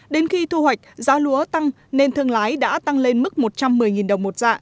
đến khi thu hoạch giá lúa tăng nên thương lái đã tăng lên mức một trăm một mươi đồng một dạ